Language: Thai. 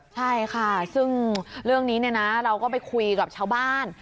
ใช่ค่ะซึ่งเรื่องนี้เนี่ยนะเราก็ไปคุยกับชาวบ้าน